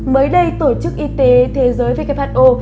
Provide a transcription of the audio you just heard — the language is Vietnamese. mới đây tổ chức y tế thế giới who